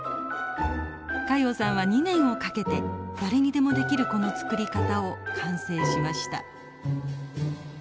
加用さんは２年をかけて誰にでもできるこの作り方を完成しました。